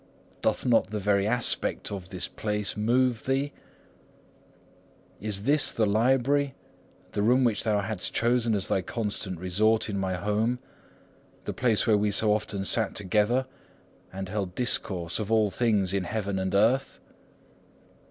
Doth not the very aspect of this place move thee? Is this the library, the room which thou hadst chosen as thy constant resort in my home, the place where we so often sat together and held discourse of all things in heaven and earth?